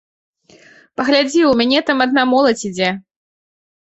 Паглядзі, у мяне там адна моладзь ідзе.